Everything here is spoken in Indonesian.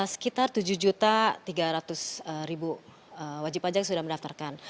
sekitar tujuh tiga ratus wajib pajak sudah mendaftarkan